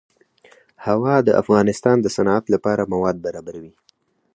هوا د افغانستان د صنعت لپاره مواد برابروي.